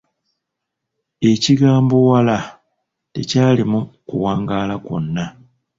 Ekigambo “waala” tekyalimu kuwangaala kwonna.